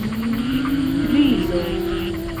krizo